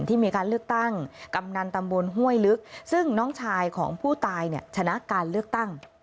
ที่มีการเลือกตั้งกำนันตำบลห้วยลึกซึ่งน้องชายของผู้ตายเนี่ยชนะการเลือกตั้ง